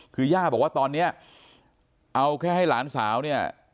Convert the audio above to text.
คือย่าบอกว่าตอนนี้เอาแค่ให้หลานสาวเนี่ย